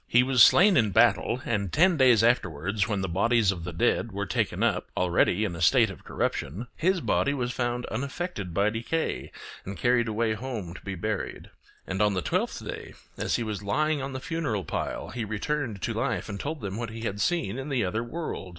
He was slain in battle, and ten days afterwards, when the bodies of the dead were taken up already in a state of corruption, his body was found unaffected by decay, and carried away home to be buried. And on the twelfth day, as he was lying on the funeral pile, he returned to life and told them what he had seen in the other world.